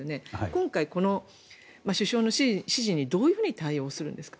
今回、この首相の指示にどう対応するんですか？